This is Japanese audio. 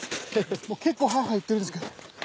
もう結構ハァハァいってるんですけど。